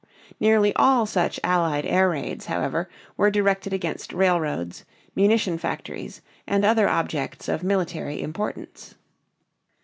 Nearly all such Allied air raids, however, were directed against railroads, munition factories, and other objects of military importance.